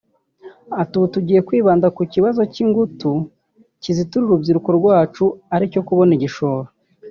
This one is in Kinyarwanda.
Ati “Ubu tugiye kwibanda ku kibazo cy’ingutu kizitira urubyiruko rwacu ari cyo kubona igishoro